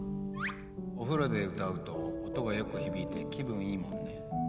お風呂で歌うと音がよく響いて気分いいもんね。